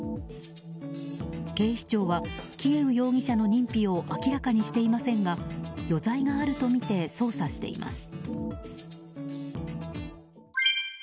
警視庁はキエウ容疑者の認否を明らかにしていませんが余罪があるとみて捜査しています。